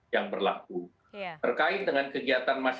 jadi kita harus mengikuti kaedah kaedah